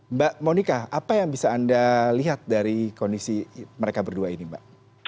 mbak monika apa yang bisa anda lihat dari kondisi mereka berdua ini mbak